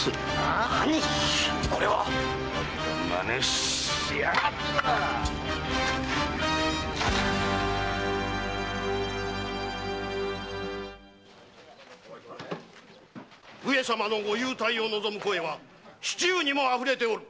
これは⁉ふざけた真似しやがって‼上様のご勇退を望む声は市中にもあふれておる。